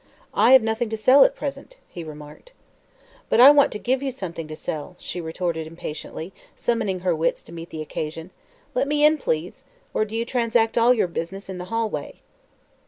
"I have nothing to sell, at present," he remarked. "But I want to give you something to sell," she retorted impatiently, summoning her wits to meet the occasion. "Let me in, please. Or do you transact all your business in the hallway?"